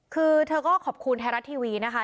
คือเธอก็ขอบคุณไทยรัฐทีวีนะคะ